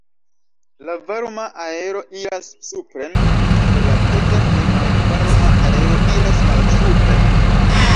La varma aero iras supren kaj la peza kaj malvarma aero iras malsupren.